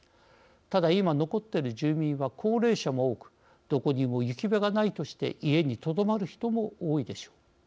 ただ、今残っている住民は高齢者も多くどこにも行き場がないとして家にとどまる人も多いでしょう。